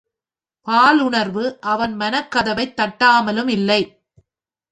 பாலுணர்வு அவன் மனக் கதவைத் தட்டாமலும் இல்லை!